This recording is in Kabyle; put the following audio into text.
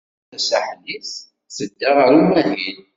Wrida Tasaḥlit tedda ɣer umahil.